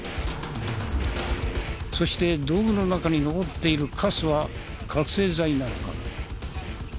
そして道具の中に残っているカスは覚醒剤なのか？